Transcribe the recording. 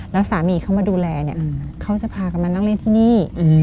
แล้วสามีเขามาดูแลเนี่ยเขาจะพากันมานั่งเล่นที่นี่